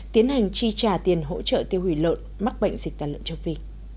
tiến hành chi trả tiền hỗ trợ tiêu hủy lợn mắc bệnh dịch tàn lợn châu phi